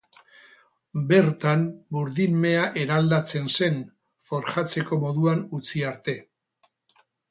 Bertan burdin mea eraldatzen zen, forjatzeko moduan utzi arte.